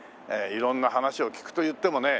色んな話を聞くといってもね。